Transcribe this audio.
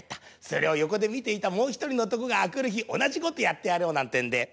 それをよこでみていたもうひとりのおとこがあくるひおなじことやってやろうなんてんで。